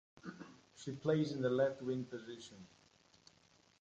She plays in the left wing position.